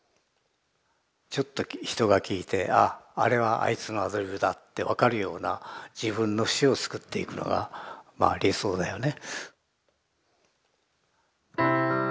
ちょっと人が聴いてあああれはあいつのアドリブだって分かるような自分の節を作っていくのがまあ理想だよね。